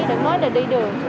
đừng nói là đi đường